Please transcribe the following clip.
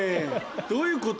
どういうこと？